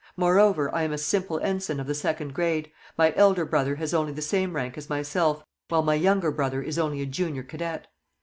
Moreover, I am a simple ensign of the second grade; my elder brother has only the same rank as myself, while my younger brother is only a junior cadet.